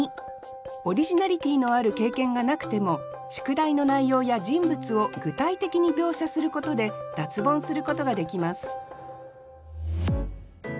オリジナリティーのある経験がなくても宿題の内容や人物を具体的に描写することで脱ボンすることができます